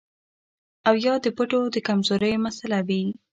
او يا د پټو د کمزورۍ مسئله وي